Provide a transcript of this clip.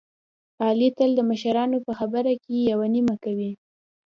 علي تل د مشرانو په خبره کې یوه نیمه کوي.